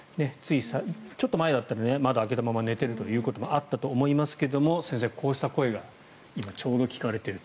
ちょっと前だったら窓を開けて寝ていることもあったと思いますが先生、こうした声が今ちょうど聞かれてると。